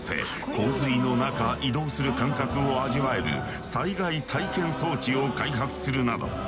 洪水の中移動する感覚を味わえる災害体験装置を開発するなど